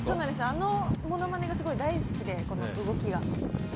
あのものまねがすごい大好きで、この動きが。